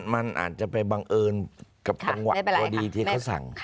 มันอาจจะไปบังเอิญกับจังหวะพอดีที่เขาสั่ง